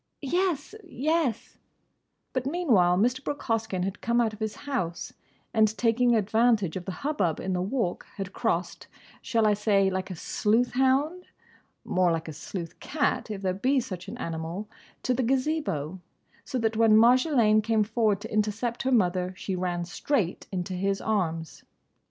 "Yes! Yes!" But meanwhile Mr. Brooke Hoskyn had come out of his house, and taking advantage of the hubbub in the Walk had crossed—shall I say like a sleuth hound?—more like a sleuth cat, if there be such an animal—to the Gazebo. So that when Marjolaine came forward to intercept her mother, she ran straight into his arms.